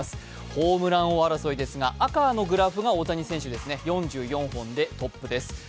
ホームラン王争いですが、赤のグラフが大谷選手ですね、４４本でトップです。